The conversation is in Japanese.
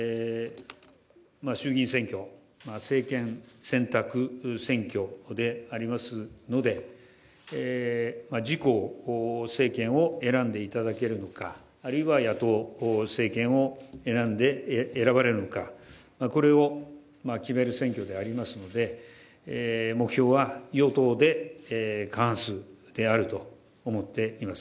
衆議院選挙政権選択選挙でありますので、自公政権を選んでいただけるのかあるいは野党政権を選ばれるのかこれを決める選挙でありますので目標は与党で過半数であると思っています。